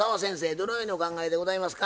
どのようにお考えでございますか？